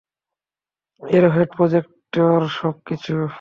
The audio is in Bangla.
অ্যারোহেড প্রজেক্টের সব কিছু!